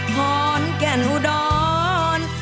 ทอนแก่นอุดอน